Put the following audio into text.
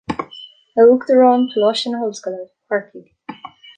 A Uachtaráin Coláiste na hOllscoile Corcaigh